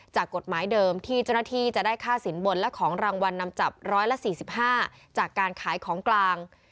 จากกฎหมายเดิมที่เจ้าหน้าที่จะได้ค่าสินบนและของรางวัลนำจับ๑๔๕จากการขายของกลาง